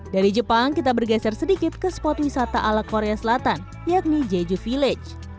dari jepang kita bergeser sedikit ke spot wisata ala korea selatan yakni jeju village